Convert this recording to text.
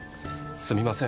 すみません